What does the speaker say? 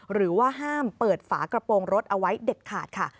หรือว่าห้ามเปิดฝากระโปรงรถเอาไว้เด็ดขาดค่ะ